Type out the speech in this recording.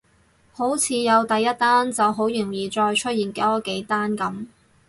好似有第一單就好容易再出現多幾單噉